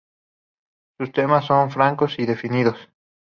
Sus temas son francos y definidos.